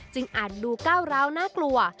อาจดูก้าวร้าวน่ากลัว